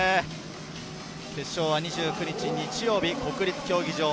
決勝は２９日・日曜日、国立競技場。